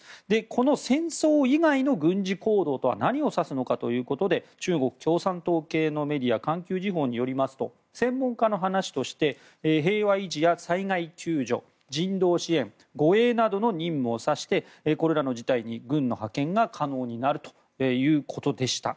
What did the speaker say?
この戦争以外の軍事行動とは何を指すのかということで中国・共産党系のメディア環球時報によりますと専門家の話として平和維持や災害救助人道支援護衛などの任務を指してこれらの事態に軍の派遣が可能になるということでした。